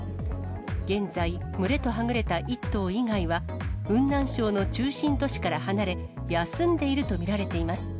現在、群れとはぐれた１頭以外は、雲南省の中心都市から離れ、休んでいると見られています。